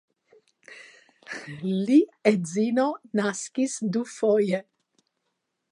Li edzino naskis dufoje.